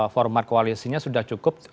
format koalisinya sudah cukup